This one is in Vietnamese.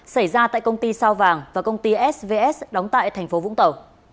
xảy ra tại công ty sao vàng và công ty svs đóng tại thành phố vũng tàu